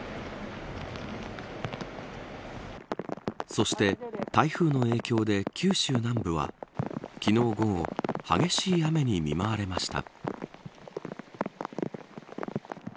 そして、台風の影響で九州南部は昨日午後激しい雨に見舞われました。